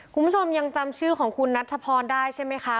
คุณผู้ชมยังจำชื่อของคุณนัชพรได้ใช่ไหมคะ